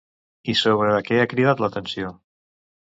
I sobre què ha cridat l'atenció?